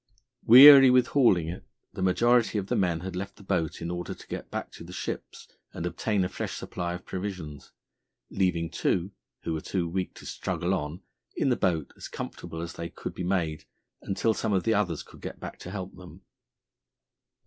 Weary with hauling it, the majority of the men had left the boat in order to get back to the ships and obtain a fresh supply of provisions, leaving two, who were too weak to struggle on, in the boat, as comfortable as they could be made until some of the others could get back to help them.